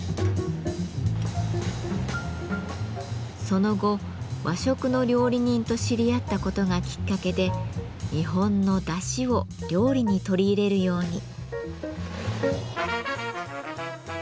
その後和食の料理人と知り合ったことがきっかけで日本のだしを料理に取り入れるように。